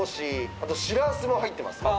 あとしらすも入ってます